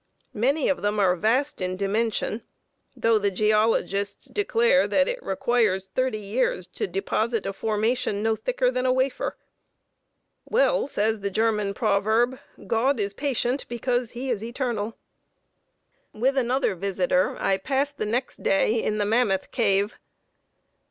Many of them are vast in dimension, though the geologists declare that it requires thirty years to deposit a formation no thicker than a wafer! Well says the German proverb "God is patient because he is eternal." With another visitor I passed the next day in the Mammoth Cave.